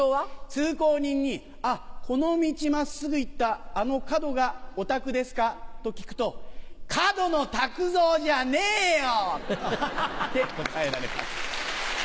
通行人に「この道真っすぐ行ったあの角がお宅ですか？」と聞くと「角野卓造じゃねえよ！」って答えられます。